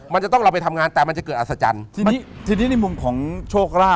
มันจะต้องเราไปทำงานแต่มันจะเกิดอัศจรรย์ทีนี้ทีนี้ในมุมของโชคลาภ